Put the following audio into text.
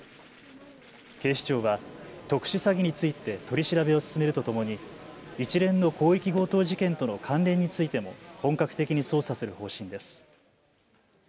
警視庁は特殊詐欺について取り調べを進めるとともに一連の広域強盗事件との関連についても本格的に捜査する方針です。